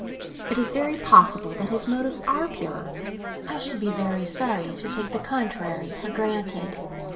"It is very possible that his motives are pure; I should be very sorry to take the contrary for granted.